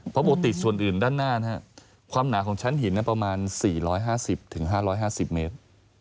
เพราะปกติส่วนอื่นด้านหน้าความหนาของชั้นหินประมาณ๔๕๐๕๕๐เมตร